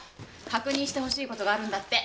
確認してほしいことがあるんだって。